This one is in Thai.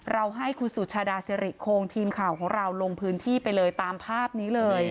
เราให้คุณสุชาดาสิริโครงทีมข่าวของเราลงพื้นที่ไปเลยตามภาพนี้เลย